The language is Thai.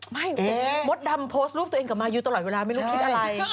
มดดำโพสต์รูปตัวเองกับมายูตลอดเวลาไม่รู้คิดอะไร